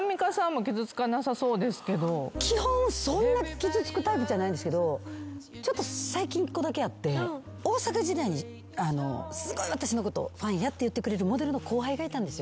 基本そんな傷つくタイプじゃないんですけどちょっと最近１個だけあって大阪時代にすごい私のことファンやって言ってくれるモデルの後輩がいたんですよ。